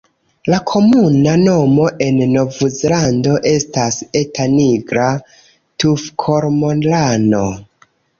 La komuna nomo en Novzelando estas "Eta nigra tufkormorano".